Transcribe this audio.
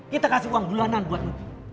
kita kasih uang duluanan buat nugi